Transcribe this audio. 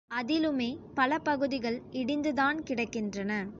அதிலுமே பல பகுதிகள் இடிந்து தான் கிடக்கின்றன.